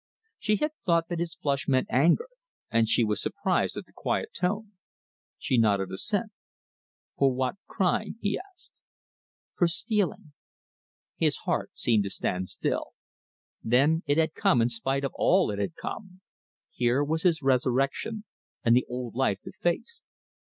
She had thought that his flush meant anger, and she was surprised at the quiet tone. She nodded assent. "For what crime?" he asked. "For stealing." His heart seemed to stand still. Then, it had come in spite of all it had come. Here was his resurrection, and the old life to face.